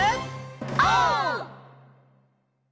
オー！